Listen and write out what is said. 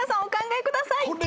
お考えください。